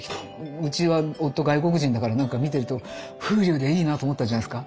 うちは夫外国人だからなんか見てると風流でいいなと思ったんじゃないですか。